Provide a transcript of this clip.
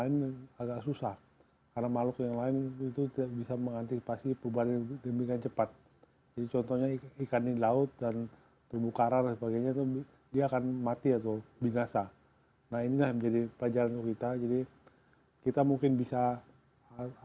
jadi kita mungkin bisa adaptasi dalam lingkungan berubah cepat dan store kontrolnya disini guc contents ini yang terang potentiasen hampirob ihrepotensi ini akan mati atau binasa nah inilah jadi pacaran saya thinksi tahu kita jadi kita mungkin bisa adaptasi dan lingkungan yang berubah cepat strongest bakaran kita jadi avatasi akrésir ini lebih cepat untuk eklemen dan mengembang penasarannya karena pada saat ini bahwa tetret banyak begitu begitu banget memang lain itu sudah gaganya